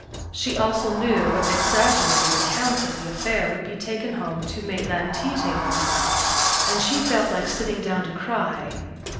She also knew what exaggerated accounts of the affair would be taken home to Maitland tea tables, and she felt like sitting down to cry.